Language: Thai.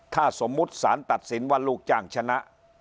ถ้าสมมุติสารตัดสินว่าลูกจ้างชนะ